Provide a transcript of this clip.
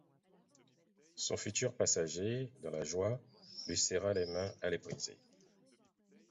Son futur passager, dans sa joie, lui serra les mains à les briser.